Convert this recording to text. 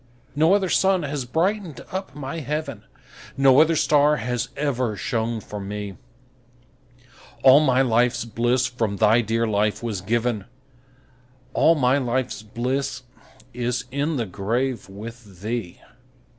No other sun has brightened up my heaven, No other star has ever shone for me; All my life's bliss from thy dear life was given, All my life's bliss is in the grave with thee.